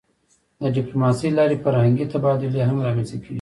د ډیپلوماسی له لارې فرهنګي تبادلې هم رامنځته کېږي.